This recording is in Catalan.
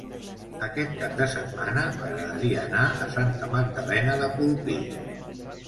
Aquest cap de setmana m'agradaria anar a Santa Magdalena de Polpís.